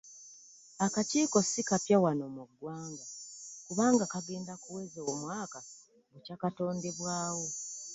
Akakiiko si kapya wano mu ggwanga kubanga kagenda kuweza omwaka bukya katondebwawo.